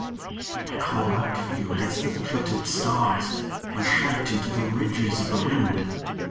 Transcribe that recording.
I call out for you against the jutted stars And shout into the ridges of the wind.